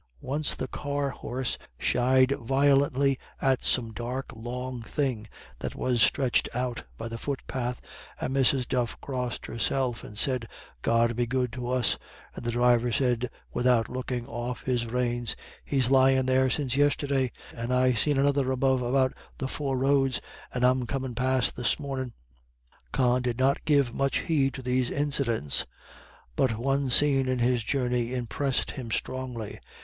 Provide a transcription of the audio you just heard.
Once the car horse shied violently at some dark, long thing, that was stretched out by the footpath, and Mrs. Duff crossed herself and said, "God be good to us," and the driver said without looking off his reins: "He's lyin' there since yisterday, and I seen another above about the four roads, and I comin' past this mornin'." Con did not give much heed to these incidents; but one scene in his journey impressed him strongly.